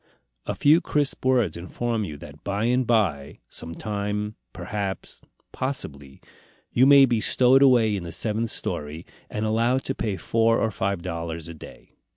A few crisp words inform you that by and by, some time, perhaps, possibly, you may be stowed away in the seventh story, and allowed to pay four or five dollars a day.